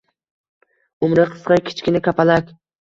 Umri qisqa, kichkina kapalak